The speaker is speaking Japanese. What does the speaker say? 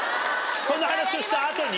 その話をした後に？